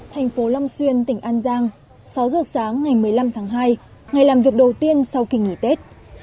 thành phố long xuyên tỉnh an giang sáu giờ sáng ngày một mươi năm tháng hai ngày làm việc đầu tiên sau kỳ nghỉ tết